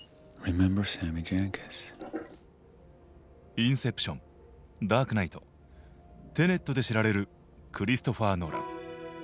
「インセプション」「ダークナイト」「テネット」で知られるクリストファー・ノーラン。